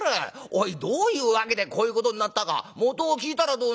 おいどういう訳でこういうことになったかもとを聞いたらどうなんだよ」。